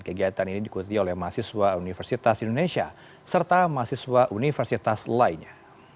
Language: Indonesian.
kegiatan ini diikuti oleh mahasiswa universitas indonesia serta mahasiswa universitas lainnya